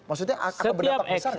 maksudnya akan berdampak besar nggak